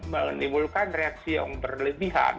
menimbulkan reaksi yang berlebihan